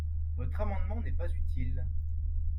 Votre amendement n’est pas utile.